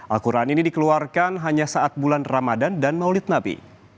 al quran ini dikeluarkan hanya saat bulan ramadan dan maulid nabi